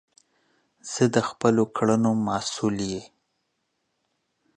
زه د خپلو کړونو مسول یی